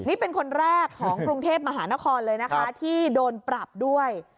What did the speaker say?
นี่เป็นคนแรกของกรุงเทพมหานครเลยนะคะที่โดนปรับด้วย